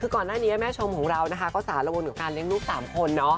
ก่อนหน้านี้แม่ชมของเราก็สาดระวังกับการเล่นลูก๓คน